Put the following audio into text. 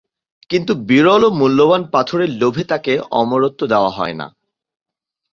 কিন্তু, বিরল ও মূল্যবান পাথরের লোভে তাকে অমরত্ব দেওয়া হয়না।